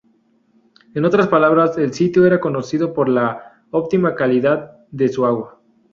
En otras palabras, el sitio era conocido por la óptima calidad de su agua.